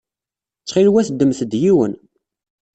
Ttxil-wet ddmet-d yiwen.